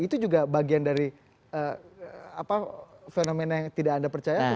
itu juga bagian dari fenomena yang tidak anda percaya